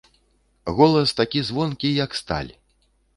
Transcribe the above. Голас такі звонкі, як сталь.